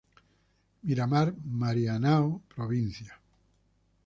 Miramar, Marianao, Prov.